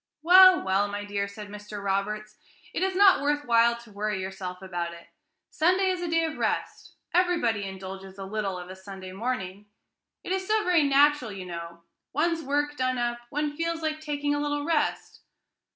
"Well, well, my dear," said Mr. Roberts, "it is not worth while to worry yourself about it; Sunday is a day of rest; everybody indulges a little of a Sunday morning, it is so very natural, you know; one's work done up, one feels like taking a little rest."